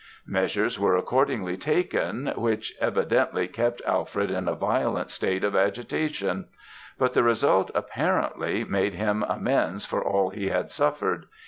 Measures were accordingly taken, which evidently kept Alfred in a violent state of agitation; but the result, apparently, made him amends for all he had suffered.